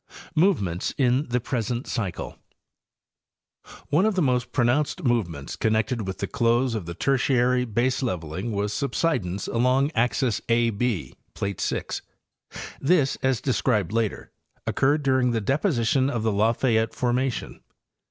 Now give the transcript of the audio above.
Movements in the present Cycle—One of the most pronounced movements connected with the close of the Tertiary baseleveling was subsidence along the axis A B (plate 6). This, as described later, occurred during the deposition of the Lafayette formation.